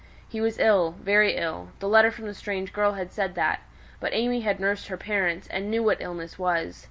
He was ill very ill, the letter from the strange girl said that; but AimÄe had nursed her parents, and knew what illness was.